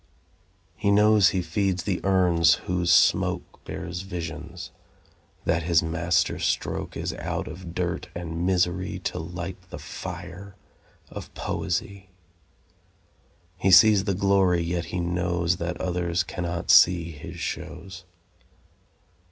He knows he feeds the urns whose smoke Bears visions, that his master stroke Is out of dirt and misery To light the fire of poesy. He sees the glory, yet he knows That others cannot see his shows.